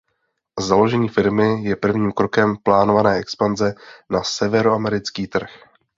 Založení firmy je prvním krokem plánované expanze na severoamerický trh.